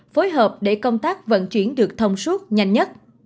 phối hợp để công tác vận chuyển được thông suốt nhanh nhất